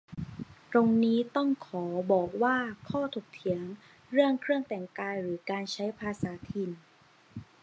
ตรงนี้ต้องขอบอกว่า ข้อถกเถียงเรื่องเครื่องแต่งกาย หรือ การใช้ภาษาถิ่น